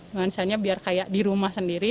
nuansanya biar kayak di rumah sendiri